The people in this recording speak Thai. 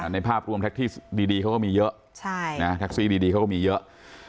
ในภาพรวมแท็กซี่ดีเขาก็มีเยอะ